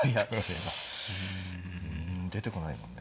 うん出てこないもんね。